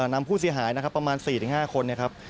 นำผู้เสียหายนะครับประมาณสี่ห้าห้านี่ครับ